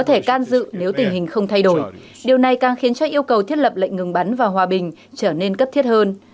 thể can dự nếu tình hình không thay đổi điều này càng khiến cho yêu cầu thiết lập lệnh ngừng bắn và hòa bình trở nên cấp thiết hơn